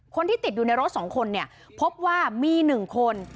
คนที่ติดอยู่ในรถ๒คนเนี่ยพบว่ามี๑คน